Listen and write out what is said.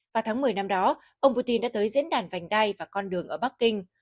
vào tháng một mươi năm đó ông putin đã tới diễn đàn vành đai và con đường ở bắc kinh